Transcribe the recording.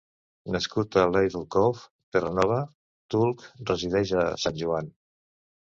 Nascut a Ladle Cove, Terranova, Tulk resideix a Sant Joan.